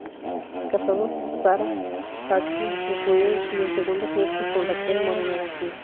Casado "Sara Zañartu Eguiguren", y en segundas nupcias con "Raquel Moreno García".